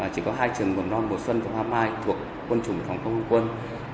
chỉ có hai trường hồn non bồ xuân và hoa mai thuộc quân chủng phòng không không quân